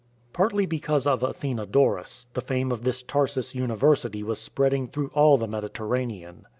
Partly because of Athenodorus the fame of this Tarsus university was spreading through all the Mediterranean.